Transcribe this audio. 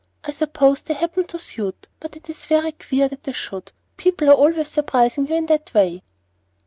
I suppose they happen to suit, but it is very queer that they should. People are always surprising you in that way."